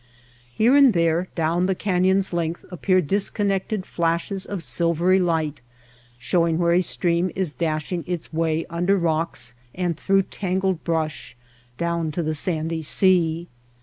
Here and there down the canyon^s length appear disconnected flashes of silvery light showing where a stream is dashing its way under rocks and through tangled brush down to the sandy sea.